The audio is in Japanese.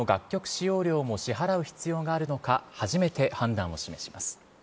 使用料も支払う必要があるのか、初めて判断を示します。